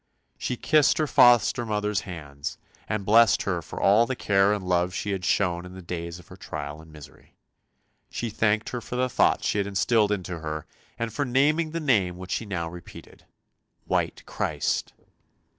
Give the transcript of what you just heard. She kissed her foster mother's hands, and blessed her for all the care and love she had shown in THE MARSH KING'S DAUGHTER 301 the days of her trial and misery. She thanked her for the thoughts she had instilled into her, and for naming the name which she now repeated, "White Christ!